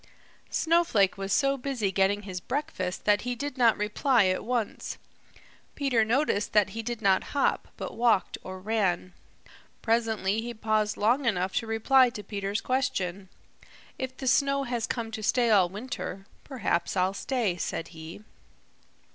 Snowflake was so busy getting his breakfast that he did not reply at once. Peter noticed that he did not hop, but walked or ran. Presently he paused long enough to reply to Peter's question. "If the snow has come to stay all winter, perhaps I'll stay," said he.